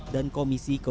dan komisi kemampuan